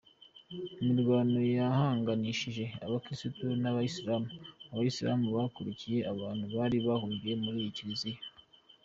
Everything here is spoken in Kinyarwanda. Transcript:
Imirwano yahanganishije Abakirisitu n’Abayisilamu, Abayisilamu bakurikiye abantu bari bahungiye muri iyi kiliziya.